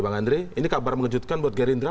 bang andre ini kabar mengejutkan buat gerindra